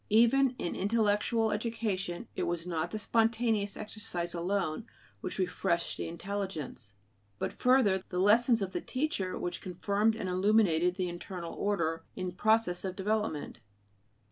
Even in intellectual education it was not the spontaneous exercise alone which refreshed the intelligence; but further, the lessons of the teacher which confirmed and illuminated the internal order in process of development.